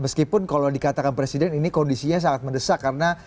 meskipun kalau dikatakan presiden ini kondisinya sangat mendesak karena